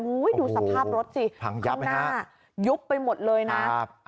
โอ้ยดูสภาพรถสิข้างหน้ายุบไปหมดเลยนะ